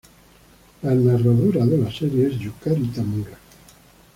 La narradora de la serie es Yukari Tamura.